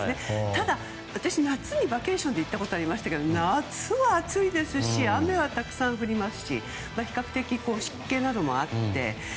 ただ私、夏にバケーションに行ったことありますけど夏は暑いですし雨はたくさん降りますし比較的湿気などもあって。